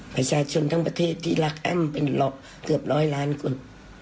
ประชาชนทั้งประเทศที่รักแอ้มเป็นล็อกเกือบร้อยล้านคน